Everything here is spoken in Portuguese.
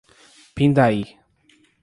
Pindaí